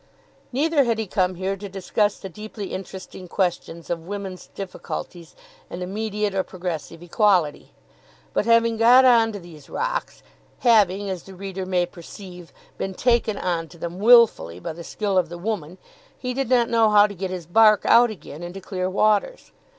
Neither had he come here to discuss the deeply interesting questions of women's difficulties and immediate or progressive equality. But having got on to these rocks, having, as the reader may perceive, been taken on to them wilfully by the skill of the woman, he did not know how to get his bark out again into clear waters.